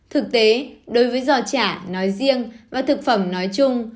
thực tế đối với giò chả nói riêng và thực phẩm nói chung